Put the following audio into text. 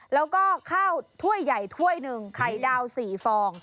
แล้วก็ข้าวถ้วยใหญ่ถ้วยหนึ่งไข่ดาว๔ฟอง